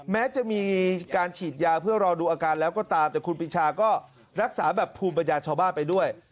แม้จะมีการฉีดยาเพื่อรอดูอาการแล้วก็ตามแต่คุณปีชาก็รักษาแบบภูมิปัญญาชาวบ้านไปด้วย